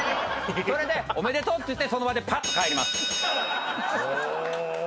それで「おめでとう！」って言ってその場でパッと帰ります。